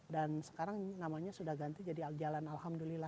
sekarang namanya sudah ganti jadi jalan alhamdulillah